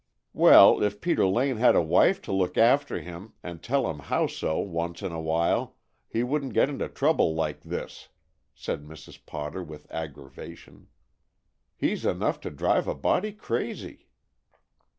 "Well, if Peter Lane had a wife to look after him and tell him how so once in a while, he wouldn't get into trouble like this," said Mrs. Potter, with aggravation. "He's enough to drive a body crazy."